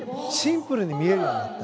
シンプルに見える。